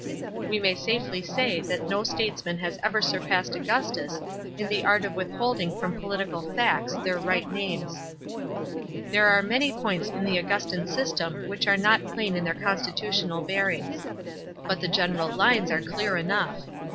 We may safely say that no statesman has ever surpassed Augustus in the art of withholding from political facts their right names. There are many points in the Augustan system which are not p'ain in their constitutional bearings. But the general lines are clear enough.